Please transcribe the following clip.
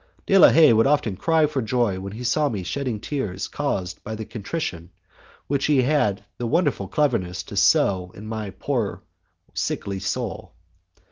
De la Haye would often cry for joy when he saw me shedding tears caused by the contrition which he had had the wonderful cleverness to sow in my poor sickly soul.